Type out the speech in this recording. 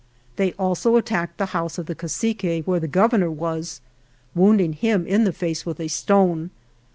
They also attacked the house of the cacique, where the Governor was, wounding him in the face with a stone.